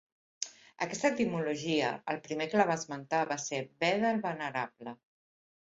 Aquesta etimologia el primer que la va esmentar va ser Beda el Venerable.